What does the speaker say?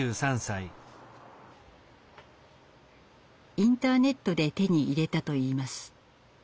インターネットで手に入れたといいます。